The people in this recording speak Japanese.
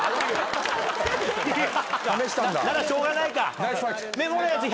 ならしょうがないか。